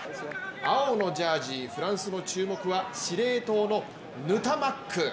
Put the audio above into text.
青のジャージ、フランスの注目は司令塔のヌタマック。